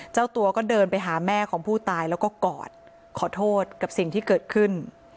เจ้าตัวก็เดินไปหาแม่ของผู้ตายแล้วก็กอดขอโทษกับสิ่งที่เกิดขึ้น